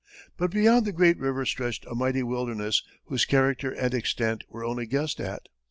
But beyond the great river stretched a mighty wilderness whose character and extent were only guessed at.